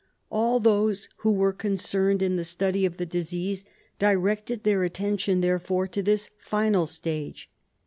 All those who were concerned in the study of the disease directed their attention, therefore, to this final stage.